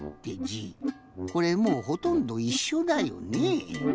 これもうほとんどいっしょだよね。